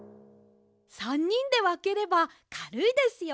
３にんでわければかるいですよ。